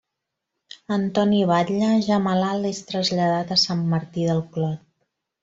Antoni Batlle, ja malalt és traslladat a Sant Martí del Clot.